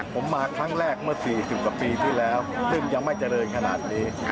ผมมาครั้งแรกเมื่อ๔๐กว่าปีที่แล้วซึ่งยังไม่เจริญขนาดนี้